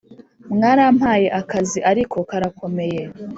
mwarampaye akazi ariko karakomeye